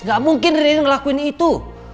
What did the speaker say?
gak mungkin rian ngelakuin itu